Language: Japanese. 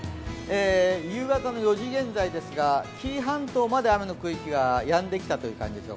夕方の４時現在ですが、紀伊半島まで雨の区域がやんできた感じです。